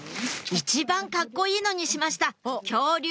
一番かっこいいのにしました恐竜！